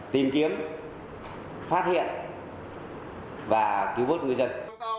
tìm kiếm phát hiện và cứu bớt ngư dân